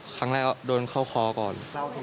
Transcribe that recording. ครั้งแรกโดนเข้าคอก่อน